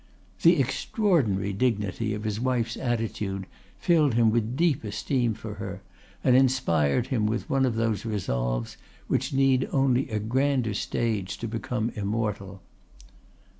"The extraordinary dignity of his wife's attitude filled him with deep esteem for her, and inspired him with one of those resolves which need only a grander stage to become immortal.